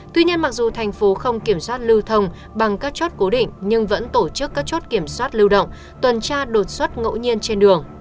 tuy nhiên mặc dù thành phố không kiểm soát lưu thông bằng các chốt cố định nhưng vẫn tổ chức các chốt kiểm soát lưu động tuần tra đột xuất ngẫu nhiên trên đường